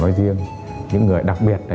nói riêng những người đặc biệt là